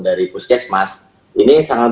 dari puskesmas ini sangat